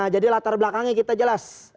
jadi latar belakangnya kita jelas